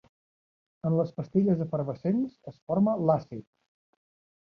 En les pastilles efervescents es forma l'àcid.